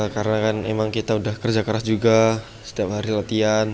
karena kan emang kita udah kerja keras juga setiap hari latihan